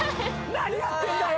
何やってんだよ！